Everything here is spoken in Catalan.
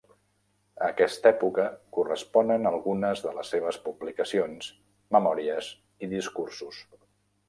A aquesta època corresponen algunes de les seves publicacions, memòries i discursos.